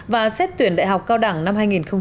và xét tuyển đại học cao đẳng năm hai nghìn một mươi sáu